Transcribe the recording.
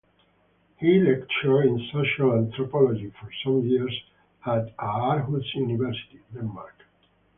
He lectured in social anthropology for some years at Aarhus University, Denmark.